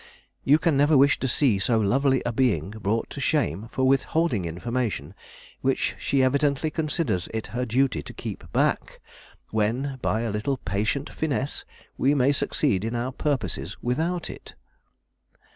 You can never wish to see so lovely a being brought to shame for withholding information which she evidently considers it her duty to keep back, when by a little patient finesse we may succeed in our purposes without it."